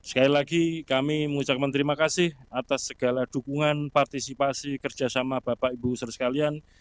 sekali lagi kami mengucapkan terima kasih atas segala dukungan partisipasi kerjasama bapak ibu saudara sekalian